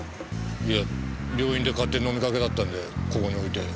いや病院で買って飲みかけだったんでここに置いて。